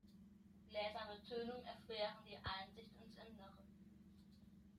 Gläser mit Tönung erschweren die Einsicht ins Innere.